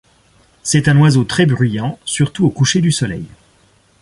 C'est un oiseau très bruyant surtout au coucher du soleil.